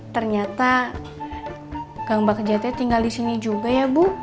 ternyata kang bak jate tinggal di sini juga ya bu